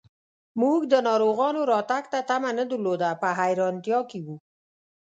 موږ د ناروغانو راتګ ته تمه نه درلوده، په حیرانتیا کې و.